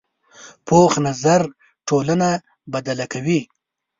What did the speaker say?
پوخ نظر ټولنه بدله کوي